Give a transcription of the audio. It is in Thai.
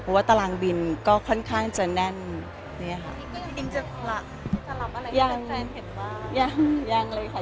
เพราะว่าตารางบินก็ค่อนข้างจะแน่นเนี่ยค่ะ